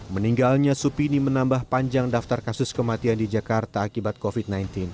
meninggalnya supini menambah panjang daftar kasus kematian di jakarta akibat covid sembilan belas